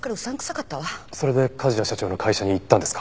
それで梶谷社長の会社に行ったんですか？